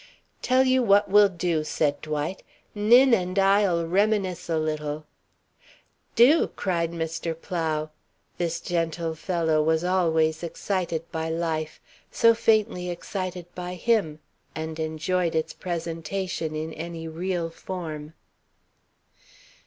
"Tell you what we'll do!" said Dwight. "Nin and I'll reminisce a little." "Do!" cried Mr. Plow. This gentle fellow was always excited by life, so faintly excited by him, and enjoyed its presentation in any real form.